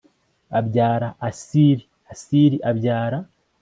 abyara Asiri Asiri abyara